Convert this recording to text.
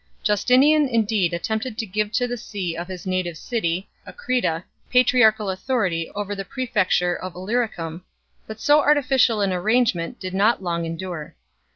Justinian indeed attempted 2 to give to the see of his native city, Achrida, patriarchal authority over the prefecture of Illy ricum; but so artificial an arrangement did not long endure.